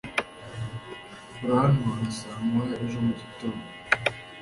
Urantora saa moya ejo mugitondo?